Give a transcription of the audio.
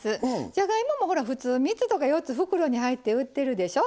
じゃがいもも普通３つとか４つ袋に入って売ってるでしょ？